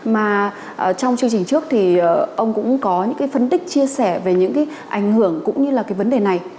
mà trong chương trình trước thì ông cũng có những phân tích chia sẻ về những ảnh hưởng cũng như là vấn đề này